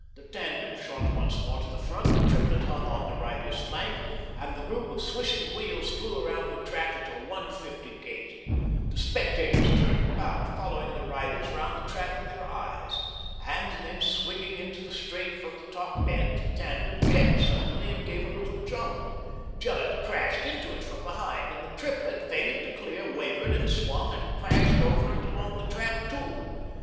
The tandem shot once more to the front, the triplet hung on the rider's flank, and the group of swishing wheels flew round the track at a "one fifty" gait. The spectators turned about, follow ing the riders round the track with their eyes. And then, swinging into the straight from the top bend, the tandem checked suddenly and gave a little jump. Gillett crashed into it from behind, and the triplet, failing to clear, wavered and swung, and crashed over and along the track too.